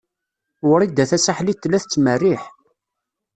Wrida Tasaḥlit tella tettmerriḥ.